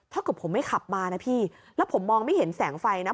ถ้าเกิดผมไม่ขับมานะพี่แล้วผมมองไม่เห็นแสงไฟนะ